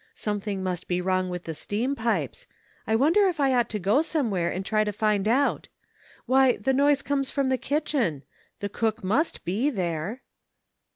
"Something must be wrong with the steam pipes. I won der if I ought to go somewhere and try to find out? Why, the noise comes from the kitchen. The cook must be there."